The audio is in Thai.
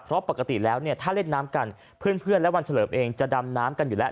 เพราะปกติแล้วเนี่ยถ้าเล่นน้ำกันเพื่อนและวันเฉลิมเองจะดำน้ำกันอยู่แล้ว